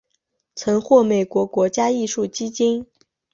曾获美国国家艺术基金。